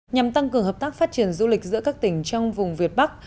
nhằm tăng cường hợp tác phát triển du lịch giữa các tỉnh trong vùng việt bắc